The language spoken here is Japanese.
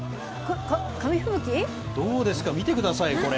どうですか、見てください、これ。